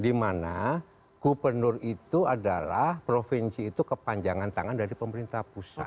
dimana gubernur itu adalah provinsi itu kepanjangan tangan dari pemerintah pusat